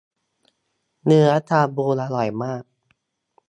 เนื้อชาบูอร่อยมาก